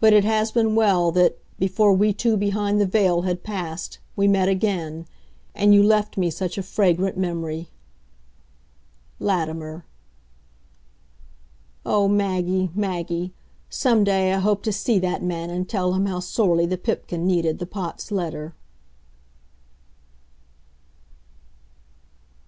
But it has been well that, before we two behind the veil had passed, we met again, and you left me such a fragrant memory. LATIMER." O Maggie, Maggie, some day I hope to see that man and tell him how sorely the Pipkin needed the Pot's letter!